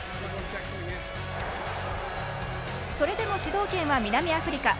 それでも、主導権は南アフリカ。